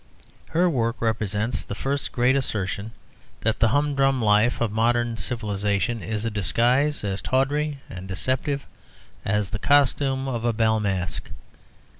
Her work represents the first great assertion that the humdrum life of modern civilisation is a disguise as tawdry and deceptive as the costume of a bal masqué.